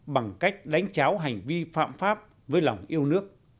bằng cách đánh cháo hành vi phạm pháp với lòng yêu nước